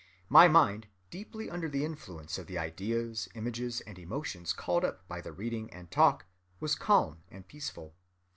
My mind, deeply under the influence of the ideas, images, and emotions called up by the reading and talk, was calm and peaceful.